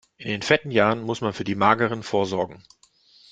In den fetten Jahren muss man für die mageren vorsorgen.